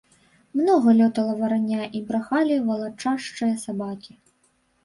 Многа лётала варання, і брахалі валачашчыя сабакі.